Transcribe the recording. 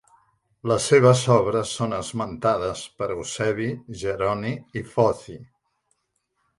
Les seves obres són esmentades per Eusebi, Jeroni i Foci.